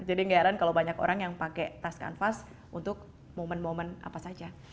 jadi nggak heran kalau banyak orang yang pakai tas kanvas untuk momen momen apa saja